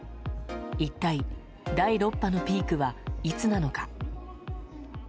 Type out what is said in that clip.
一体、第６波のピークはいつなのか。